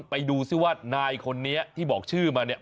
ไปดูซิว่านายคนนี้ที่บอกชื่อมาเนี่ย